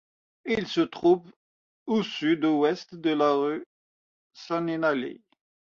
Elle se trouve au sud-ouest de la rue Sonnenallee.